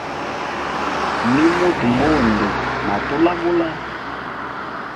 Nimuta mbundu na tulabula.